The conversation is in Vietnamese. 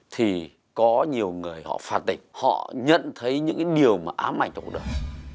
thì có nhiều người họ phạt tịch họ nhận thấy những điều ám ảnh của đời